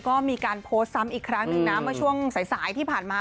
ก็มีการโพสต์ซ้ำอีกครั้งหนึ่งนะเมื่อช่วงสายที่ผ่านมา